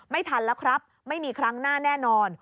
ไม่ทันแล้วครับไม่มีครั้งหน้าแน่นอน